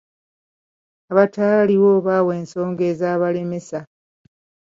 Abataaliwo baawa ensonga ezabalemesa.